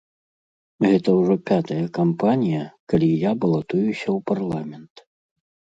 Гэта ўжо пятая кампанія, калі я балатуюся ў парламент.